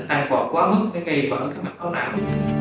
tăng gọt quá mức gây vào cái mặt máu não